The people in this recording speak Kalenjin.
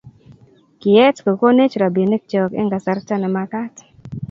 Kiet ko konech robinikcho eng' kasarta ne mekat